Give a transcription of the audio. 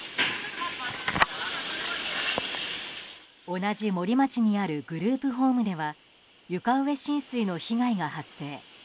同じ森町にあるグループホームでは床上浸水の被害が発生。